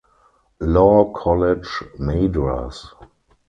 Law College (Madras).